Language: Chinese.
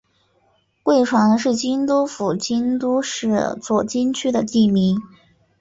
贵船是京都府京都市左京区的地名。